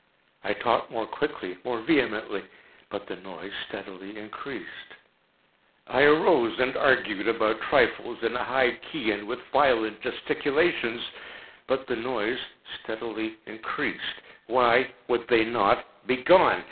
I talked more quickly—more vehemently; but the noise steadily increased. I arose and argued about trifles, in a high key and with violent gesticulations; but the noise steadily increased. Why would they not be gone?